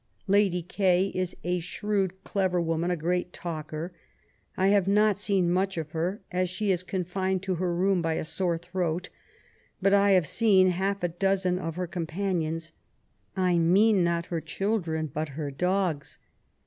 Lady K. is a shrewd, clever woman, a great talker. I have not seen much of her, as she is confined to her room by a sore throat; but I have seen half a dozen of her companions. I mean not her children, but her dogs.